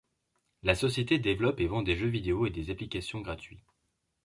La société développe et vend des jeux vidéo et des applications gratuits.